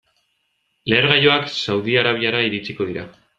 Lehergailuak Saudi Arabiara iritsiko dira.